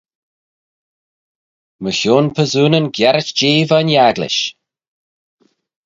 Mychione persoonyn giarit jeh veih'n agglish.